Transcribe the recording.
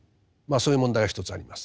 そういう問題が一つあります。